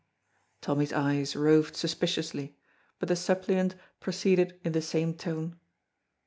Tommy's eyes roved suspiciously, but the suppliant proceeded in the same tone.